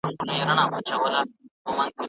انګریزي هندوستان د امیر دا پریکړه نه خوښوله.